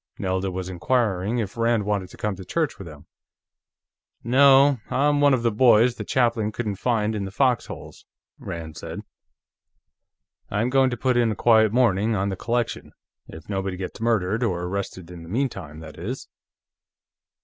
Nelda was inquiring if Rand wanted to come to church with them. "No; I'm one of the boys the chaplain couldn't find in the foxholes," Rand said. "I'm going to put in a quiet morning on the collection. If nobody gets murdered or arrested in the meantime, that is."